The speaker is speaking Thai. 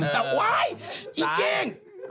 แต่ว้ายอีเก้ง